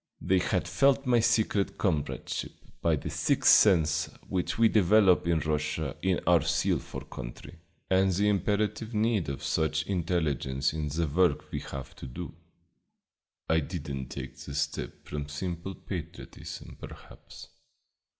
They had felt my secret comradeship by that sixth sense which we develop in Russia in our zeal for country, and the imperative need of such an intelligence in the work we have to do. "I did n't take the step from simple patriotism, perhaps.